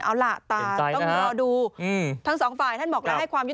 เอาล่ะตาต้องรอดู